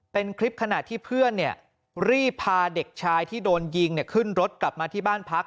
เป็นคลิปขณะที่เพื่อนรีบพาเด็กชายที่โดนยิงขึ้นรถกลับมาที่บ้านพัก